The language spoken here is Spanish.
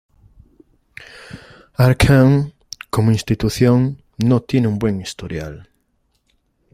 Arkham, como institución, no tiene un buen historial.